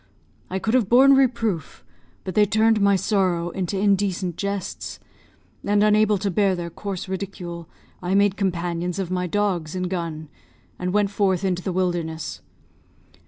I could have borne reproof, but they turned my sorrow into indecent jests, and, unable to bear their coarse ridicule, I made companions of my dogs and gun, and went forth into the wilderness.